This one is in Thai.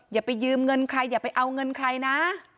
อย่าไปยืมเงินใครอย่าไปเอาเงินใครนะ